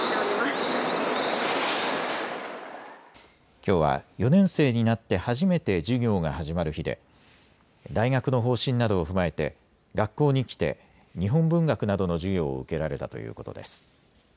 きょうは４年生になって初めて授業が始まる日で大学の方針などを踏まえて学校に来て日本文学などの授業を受けられたということです。